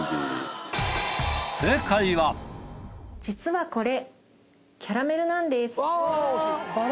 実はこれキャラメルなんです。